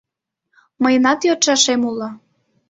Мыйынат йодшашем уло.